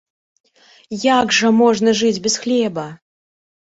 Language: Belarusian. Як жа можна жыць без хлеба?